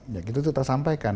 nah itu kita sampaikan